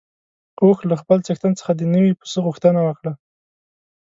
اوښ له خپل څښتن څخه د نوي پسه غوښتنه وکړه.